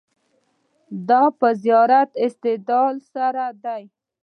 دا په زیات استدلال سره ده.